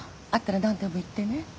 あったら何でも言ってね。